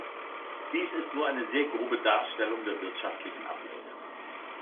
Dies ist nur eine sehr grobe Darstellung der wirtschaftlichen Abläufe.